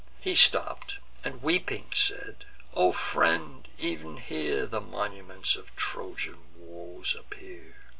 He stopp'd, and weeping said: "O friend! ev'n here The monuments of Trojan woes appear!